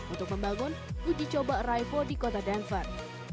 untuk membangun uji coba arrival di kota denvert